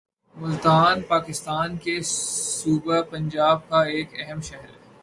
ملتان پاکستان کے صوبہ پنجاب کا ایک اہم شہر ہے